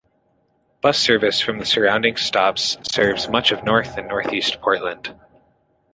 Bus service from the surrounding stops serves much of North and Northeast Portland.